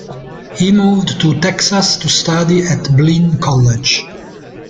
He moved to Texas to study at Blinn College.